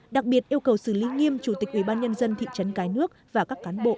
đặc biệt yêu cầu kiểm điểm trách nhiệm đối với lãnh đạo ubnd huyện cái nước các ngành chức năng